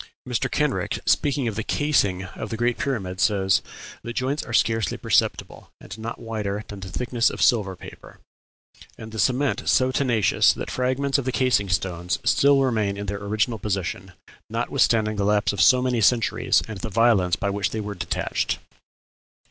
Mr. Kenrick, speaking of the casing of the Great Pyramid, says, "The joints are scarcely perceptible, and not wider than the thickness of silver paper, and the cement so tenacious that fragments of the casing stones still remain in their original position, notwithstanding the lapse of so many centuries, and the violence by which they were detached."